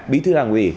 bí thư đảng ủy